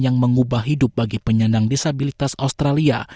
yang mengubah hidup bagi penyandang disabilitas australia